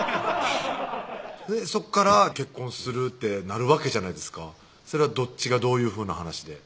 そっから結婚するってなるわけじゃないですかそれはどっちがどういうふうな話で？